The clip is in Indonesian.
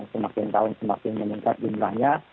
semakin tahun semakin meningkat jumlahnya